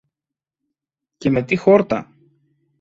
Και με τι χόρτα!